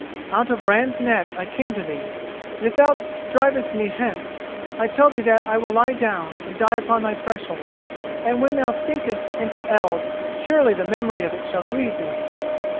Out of Ran's net I came to thee, and, if thou drivest me hence, I tell thee that I will lie down and die upon thy threshold, and when thou sinkest into eld surely the memory of it shall grieve thee."